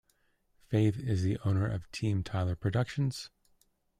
Faith is the owner of Team Tyler Productions.